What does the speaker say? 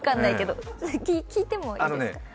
聞いてもいいですか？